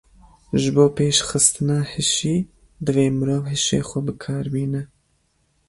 Ji bo pêşxistina hişî, divê mirov hişê xwe bi kar bîne.